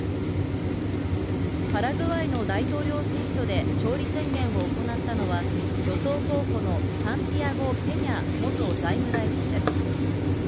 パラグアイの大統領選挙で勝利宣言を行ったのは、与党候補のサンティアゴ・ペニャ元財務大臣です。